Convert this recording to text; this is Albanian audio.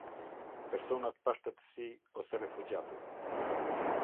Personat pa shtetësi ose refugjatët.